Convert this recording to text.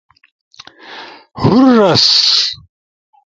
ہور رس